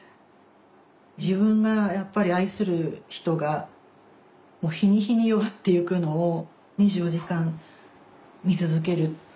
自分がやっぱり愛する人が日に日に弱っていくのを２４時間見続ける。